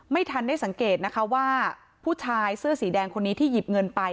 ไม่ทันได้สังเกตนะคะว่าผู้ชายเสื้อสีแดงคนนี้ที่หยิบเงินไป